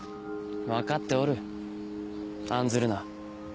分かっておる案ずるな。